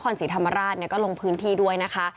ศรีธรรมราชก็ลงพื้นที่ด้วยนะคะ